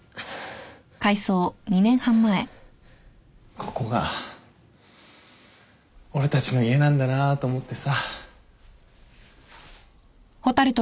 ここが俺たちの家なんだなと思ってさ